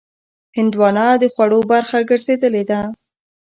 هندوانه د خوړو برخه ګرځېدلې ده.